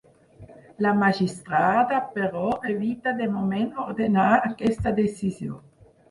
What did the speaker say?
La magistrada, però, evita de moment ordenar aquesta decisió.